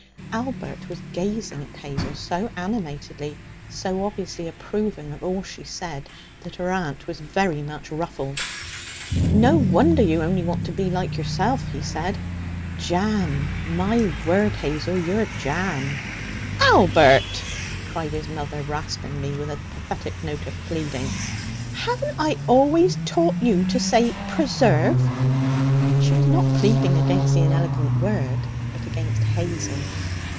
Albert was gazing at Hazel so animatedly, so obviously approving of all she said, that her aunt was very much ruffled. 'No wonder you only want to be like yourself,' he said. 'Jam! my word, Hazel, you're jam!' 'Albert!' cried his mother raspingly, with a pathetic note of pleading, 'haven't I always taught you to say preserve?' She was not pleading against the inelegant word, but against Hazel.